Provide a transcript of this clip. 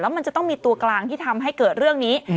มันจะต้องมีตัวกลางที่ทำให้เกิดเรื่องนี้